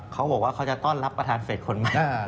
เขาบอกว่าเขาจะต้อนรับประธานเฟสคนใหม่